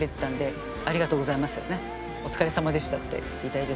お疲れさまでしたって言いたいです。